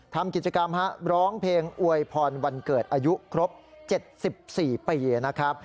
ทำกิจกรรมร้องเพลงอวยพรวันเกิดอายุครบ๗๔ปีนะครับ